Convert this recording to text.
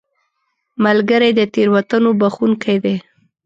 ملګری د تېروتنو بخښونکی دی